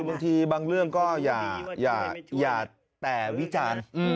บางทีบางเรื่องก็อย่าแต่วิจารณ์